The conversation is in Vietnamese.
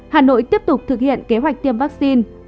hà nội tiếp tục thực hiện kế hoạch tiêm vaccine